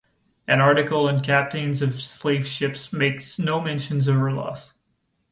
An article on captains of slave ships makes no mention of her loss.